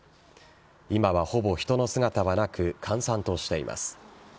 今はほぼ人の姿はなく、閑散としています。